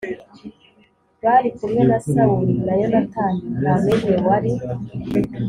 bari kumwe na Sawuli na Yonatani nta n umwe wari